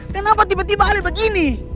kenapa tiba tiba alih begini